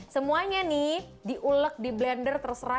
semuanya nih diulek di blender terserah